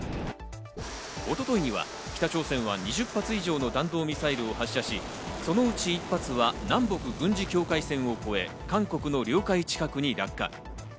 一昨日には北朝鮮は２０発以上の弾道ミサイルを発射し、そのうち１発は南北軍事境界線を越え、韓国の領海近くに落下。